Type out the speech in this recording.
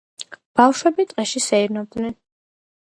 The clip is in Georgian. ბავშვები ტყეში სეირნობდნენ.